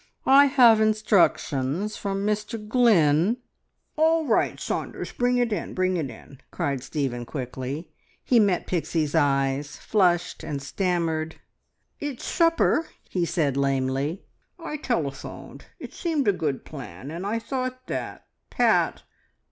I have instructions from Mr Glynn " "All right, Saunders, bring it in, bring it in!" cried Stephen quickly. He met Pixie's eyes, flushed, and stammered "It's ... supper!" he said lamely. "I telephoned. It seemed a good plan, and I thought that, Pat.